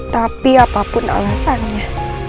tapi apapun alasannya